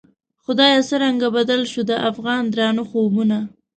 خدایه څرنګه بدل شوو، د افغان درانه خوبونه